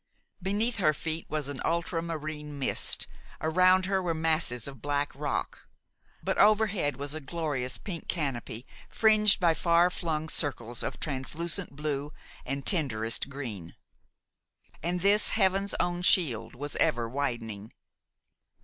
Beneath her feet was an ultramarine mist, around her were masses of black rock; but overhead was a glorious pink canopy, fringed by far flung circles of translucent blue and tenderest green. And this heaven's own shield was ever widening.